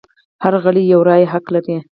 هر غړی یوه رایه حق لري.